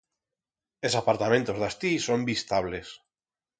Es apartamentos d'astí son vistables.